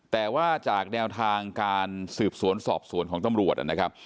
แต่ว่าจากแนวทางการสืบสวนสอบสวนของตำรวจนะครับ